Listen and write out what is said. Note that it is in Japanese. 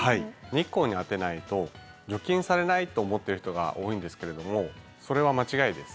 日光に当てないと除菌されないと思ってる人が多いんですけれどもそれは間違いです。